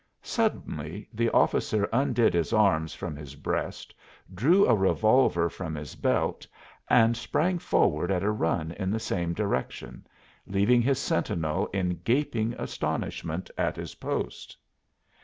Suddenly the officer undid his arms from his breast, drew a revolver from his belt and sprang forward at a run in the same direction, leaving his sentinel in gaping astonishment at his post.